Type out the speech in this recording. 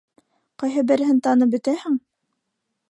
Ҡайһы береһен танып бөтәһең?